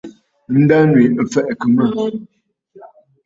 Ǹdânwì ɨ̀ fɛ̀ʼɛ̀kə̀ mə̂.